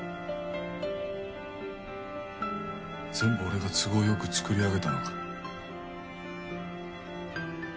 全部俺が都合良く作り上げたのか？